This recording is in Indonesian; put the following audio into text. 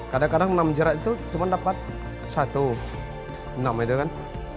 kadang kadang enam jerat itu cuma dapat satu enam itu kan